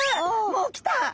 もうきた！